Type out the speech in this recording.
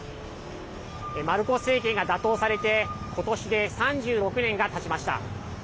マルコス政権が打倒されてことしで３６年がたちました。